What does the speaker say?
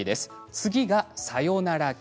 次がサヨナラ期